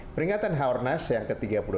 peringatan h o r n a s yang ke tiga puluh delapan